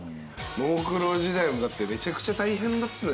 ももクロ時代もだってめちゃくちゃ大変だったよね。